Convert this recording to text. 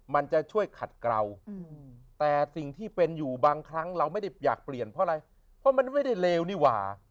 มันจะช่วยขัดเกลาแต่สิ่งที่เป็นอยู่บางครั้งเราไม่ได้อยากเปลี่ยนเพราะอะไรเพราะมันไม่ได้เลวนี่หว่า